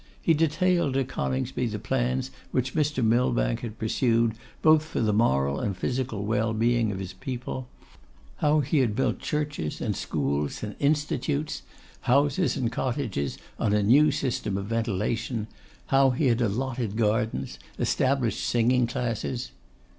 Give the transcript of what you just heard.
He detailed to Coningsby the plans which Mr. Millbank had pursued, both for the moral and physical well being of his people; how he had built churches, and schools, and institutes; houses and cottages on a new system of ventilation; how he had allotted gardens; established singing classes.